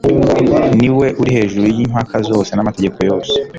ni we uri hejuru y'impaka zose n'amategeko yose.